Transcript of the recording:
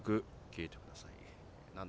聞いてください。